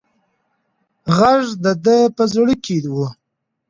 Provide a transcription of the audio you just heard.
غږ د ده په زړه کې و.